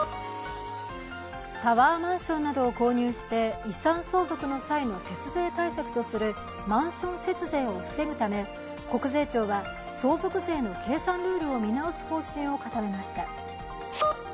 タワーマンションなどを購入して、遺産相続の際の節税対策とするマンション節税を防ぐため国税庁は相続税の計算ルールを見直す方針を固めました。